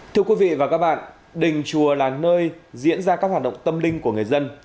thưa quý vị và các bạn đình chùa là nơi diễn ra các hoạt động tâm linh của người dân